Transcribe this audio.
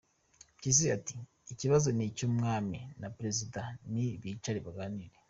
Mpyisi ati “ ikibazo ni icy’ Umwami na perezida… ni bicare baganire”.